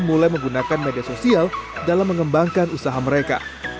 mulai menggunakan media sosial dalam mengembangkan usaha mereka